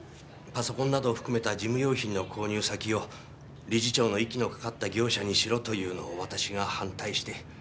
パソコンなどを含めた事務用品の購入先を理事長の息のかかった業者にしろというのを私が反対して。